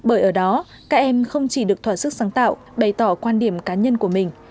bởi ở đó các em không chỉ được thỏa sức sáng tạo bày tỏ quan điểm cá nhân của mình